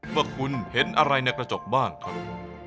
ว่าคุณเห็นอะไรในกระจกบ้างครับ